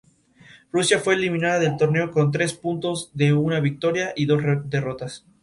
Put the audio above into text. Rusia fue eliminada del torneo con tres puntos de una victoria y dos derrotas.